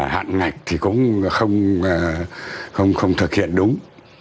hạn ngạch thì cũng không thực hiện đúng